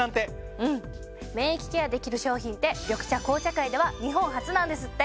うん免疫ケアできる商品って緑茶・紅茶界では日本初なんですって。